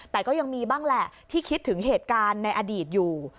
แต่ก็ยังมีบ้างแหละที่คิดถึงเหตุการณ์ในอดีตอยู่